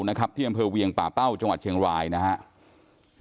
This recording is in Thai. อำเภอเวียงป่าเป้าจังหวัดเชียงรายนะครับ